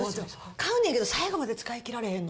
買うねんけど、最後まで使い切られへんの。